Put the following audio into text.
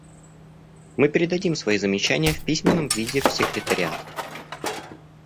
Мы передадим свои замечания в письменном виде в секретариат.